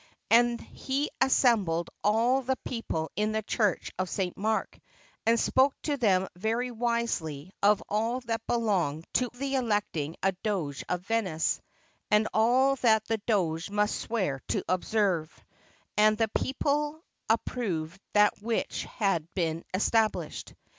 And he assembled all the people in the church of St. Mark, and spoke to them very wisely of all that belonged to the electing a Doge of Venice, and all that the Doge must swear to observe; and the people approved that which had been estab lished.